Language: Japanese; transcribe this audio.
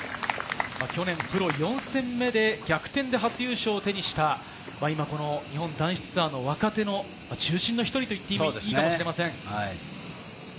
去年プロ４戦目で逆転で初優勝を手にした今、日本男子ツアーの若手の中心のひとりと言っていいかもしれません。